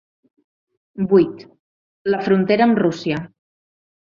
Vuit- La frontera amb Rússia.